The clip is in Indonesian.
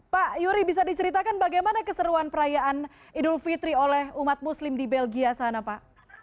pak yuri bisa diceritakan bagaimana keseruan perayaan idul fitri oleh umat muslim di belgia sana pak